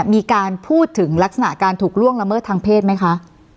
มีการพูดถึงลักษณะการถูกล่วงละเมิดทางเพศไหมคะ